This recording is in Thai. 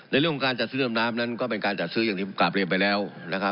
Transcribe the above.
ในเรื่องของการจัดซื้อดำน้ำนั้นก็เป็นการจัดซื้ออย่างที่กลับเรียนไปแล้วนะครับ